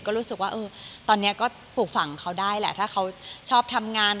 ก็รู้สึกว่าตอนนี้ก็ปลูกฝั่งเขาได้แหละถ้าเขาชอบทำงาน